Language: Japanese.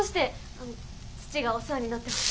あの父がお世話になってます。